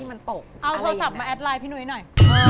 มันตกเอาโทรศัพท์มาแอดไลน์พี่นุ้ยหน่อย